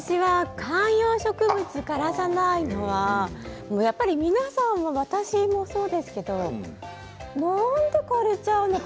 観葉植物、枯らさないのは皆さん、私もそうですけど何で枯れちゃうのか。